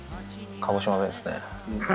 鹿児島弁ですね。